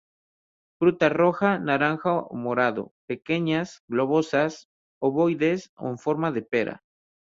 Fruta roja, naranja o morado, pequeñas, globosas, obovoides, o en forma de pera.